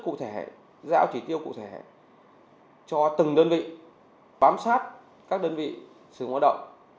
qua từng đơn vị bám sát các đơn vị sử dụng hoạt động